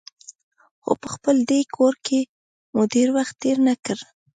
خو په خپل دې کور کې مو ډېر وخت تېر نه کړ.